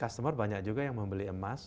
customer banyak juga yang membeli emas